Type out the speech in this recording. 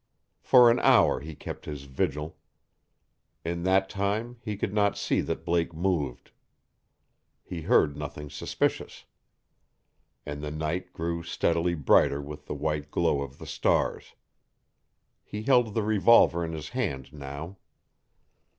For an hour he kept his vigil. In that time he could not see that Blake moved. He heard nothing suspicious. And the night grew steadily brighter with the white glow of the stars. He held the revolver in his hand now.